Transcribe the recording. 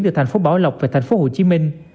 từ thành phố bảo lộc về thành phố hồ chí minh